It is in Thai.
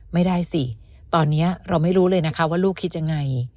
ไม่ได้สิตอนนี้เราไม่รู้เลยนะคะว่าลูกคิดยังไง